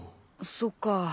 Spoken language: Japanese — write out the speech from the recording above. そっか。